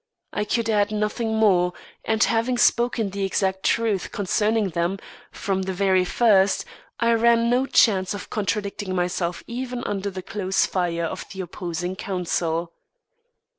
I could add nothing more, and, having spoken the exact truth concerning them, from the very first, I ran no chance of contradicting myself even under the close fire of the opposing counsel.